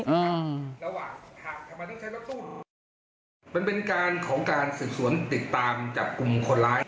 มันเป็นการของการศึกษวนติดตามจับกลุ่มคนร้าย